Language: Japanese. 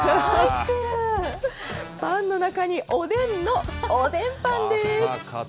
パンの中におでんの、おでんパンです。